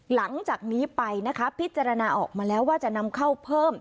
หลังจากนี้ไปนะคะพิจารณาออกมาแล้วว่าจะนำเข้าเพิ่ม